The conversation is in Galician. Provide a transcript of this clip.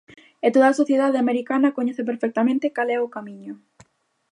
E toda a sociedade americana coñece perfectamente cal é o camiño.